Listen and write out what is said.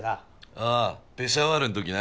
ああペシャワルの時な。